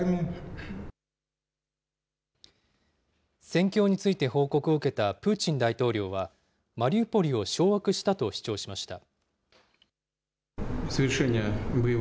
戦況について報告を受けたプーチン大統領は、マリウポリを掌握したと主張しました。